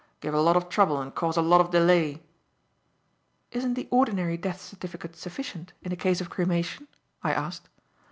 "Give a lot of trouble and cause a lot of delay." "Isn't the ordinary death certificate sufficient in a case of cremation?" I asked.